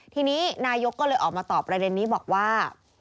ทีนี้นายกก็เลยออกมาตอบประเด็นนี้บอกว่า